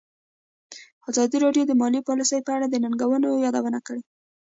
ازادي راډیو د مالي پالیسي په اړه د ننګونو یادونه کړې.